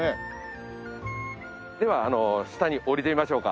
では下に下りてみましょうか。